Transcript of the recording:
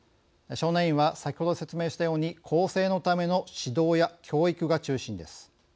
少年院は、先ほど説明したように更生のための指導や教育が中心です。